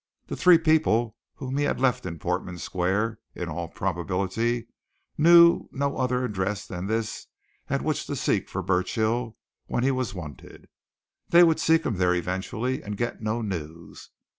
The three people whom he had left in Portman Square in all probability knew no other address than this at which to seek for Burchill when he was wanted; they would seek him there eventually and get no news.